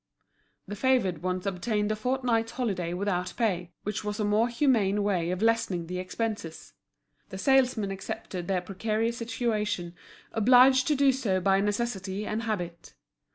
The favoured ones obtained a fortnight's holiday without pay, which was a more humane way of lessening the expenses. The salesmen accepted their precarious situation, obliged to do so by necessity and habit.